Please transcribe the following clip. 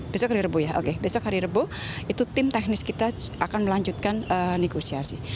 besok hari rebu ya oke besok hari rebo itu tim teknis kita akan melanjutkan negosiasi